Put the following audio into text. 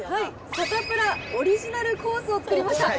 サタプラオリジナルコースを作りました。